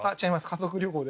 家族旅行で。